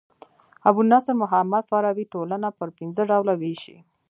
ابو نصر محمد فارابي ټولنه پر پنځه ډوله ويشي.